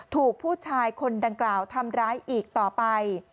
ถูกผู้ชายคนดังกล่าวทำร้ายอีกต่อไป